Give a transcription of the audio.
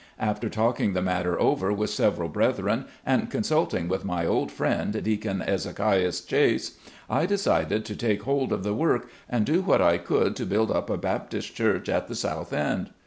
After talking the matter over with several brethren, and consulting with my old friend, Deacon Ezekias Chase, I decided to take hold of the work, and do what I could to build up a Baptist Church at the South End.